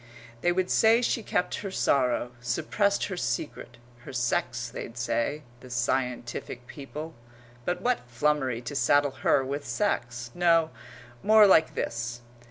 They would say she kept her sorrow, suppressed her secret her sex, they'd say the scientific people. But what flummery to saddle her with sex! No more like this.